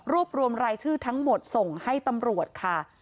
รวมรวมรายชื่อทั้งหมดส่งให้ตำรวจค่ะ